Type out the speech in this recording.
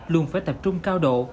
luôn phải tập trung cao độ